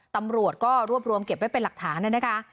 ตำรวจก็รวบรวมเก็บไว้เป็นหลักฐานนะคะ